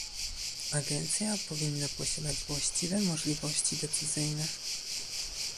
Agencja powinna posiadać właściwe możliwości decyzyjne